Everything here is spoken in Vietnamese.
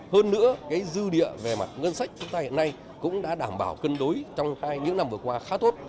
hơn nữa dư địa về mặt ngân sách chúng ta hiện nay cũng đã đảm bảo cân đối trong những năm vừa qua khá tốt